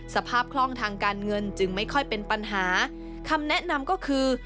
คล่องทางการเงินจึงไม่ค่อยเป็นปัญหาคำแนะนำก็คือ